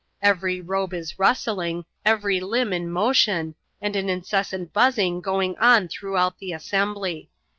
Every robe is rustling, every limb in motion, and an incessant buzzing going on throughout the assembly.